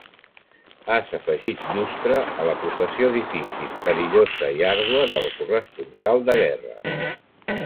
Has afegit llustre a la professió difícil, perillosa i àrdua del corresponsal de guerra.